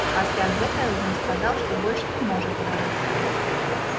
Пасля гэтага ён сказаў, што больш не можа гаварыць.